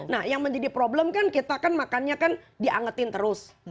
nah yang menjadi problem kan kita kan makannya kan diangetin terus